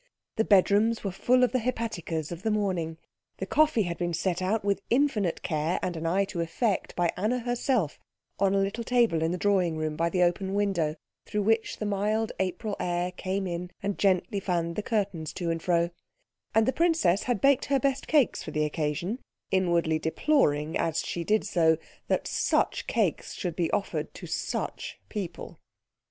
The bedrooms were full of the hepaticas of the morning; the coffee had been set out with infinite care and an eye to effect by Anna herself on a little table in the drawing room by the open window, through which the mild April air came in and gently fanned the curtains to and fro; and the princess had baked her best cakes for the occasion, inwardly deploring, as she did so, that such cakes should be offered to such people.